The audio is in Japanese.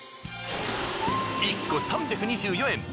１個３２４円。